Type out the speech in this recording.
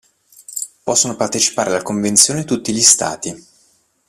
Possono partecipare alla Convenzione tutti gli Stati.